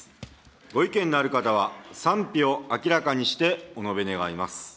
ご意見のある方は、賛否を明らかにして、お述べ願います。